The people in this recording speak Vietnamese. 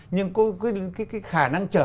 nhưng cái khả năng chở